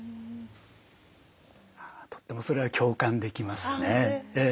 とってもそれは共感できますね。